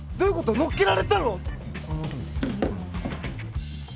乗っけられたの！？